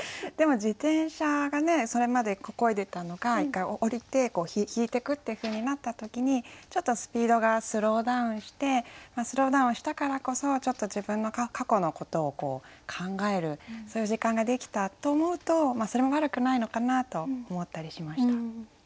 でも自転車がねそれまでこいでたのが１回降りて引いてくっていうふうになった時にちょっとスピードがスローダウンしてスローダウンしたからこそ自分の過去のことを考えるそういう時間ができたと思うとそれも悪くないのかなと思ったりしました。